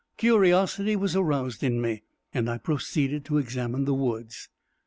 Curiosity was aroused in me, and I proceeded to examine the woods.